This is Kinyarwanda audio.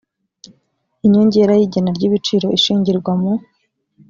inyongera y igena ry ibiciro ishingirwaho mu